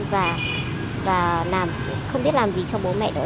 và không biết làm gì cho bố mẹ nữa